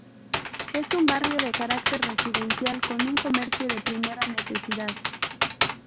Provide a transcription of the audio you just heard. Es un barrio de carácter residencial con un comercio de primera necesidad.